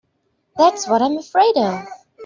That's what I'm afraid of.